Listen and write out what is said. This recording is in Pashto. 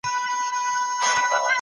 د پروردګار علم ازلي او لرغونی دی.